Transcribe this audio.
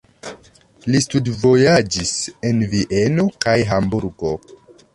Li studvojaĝis en Vieno kaj Hamburgo.